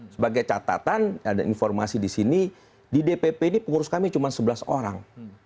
sebagai catatan ada informasi di sini di dpp ini pengurus kami cuma sebelas orang